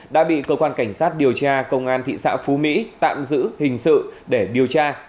đã bị cơ quan cảnh sát điều tra công an thị xã phú mỹ tạm giữ hình sự để điều tra